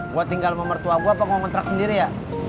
gue tinggal sama mertua gue apa mau ngtrak sendiri ya